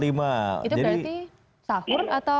itu berarti sahur atau